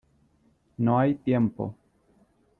no hay tiempo.